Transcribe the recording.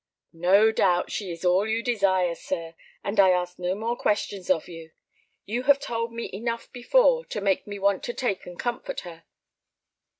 "No doubt she is all you desire, sir, and I ask no more questions of you. You have told me enough before to make me want to take and comfort her."